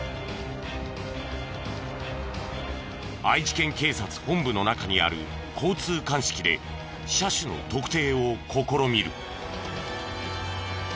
愛知県警察本部の中にある交通鑑識で車種の特定を試みる。